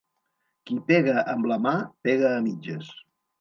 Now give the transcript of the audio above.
Qui pega amb la mà pega a mitges.